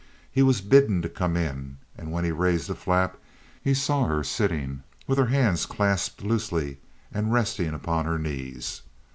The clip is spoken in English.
He was bidden to come in, and when he raised the flap he saw her sitting with her hands clasped loosely and resting upon her knees.